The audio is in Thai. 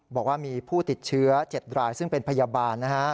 บอกว่ามีผู้ติดเชื้อ๗รายซึ่งเป็นพยาบาลนะฮะ